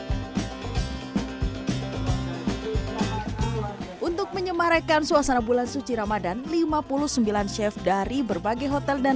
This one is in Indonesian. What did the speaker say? untuk menyemarakan suasana bulan suci ramadhan lima puluh sembilan chef dari berbagai hotel dan